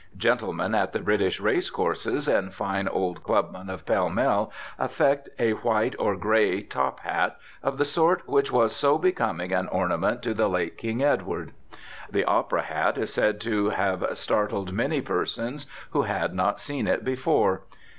Gentlemen at the British race courses and fine old clubmen of Pall Mall affect a white or grey top hat, of the sort which was so becoming an ornament to the late King Edward. The opera hat is said to have startled many persons who had not seen it before.